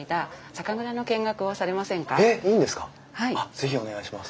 是非お願いします。